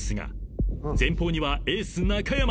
［前方にはエース中山］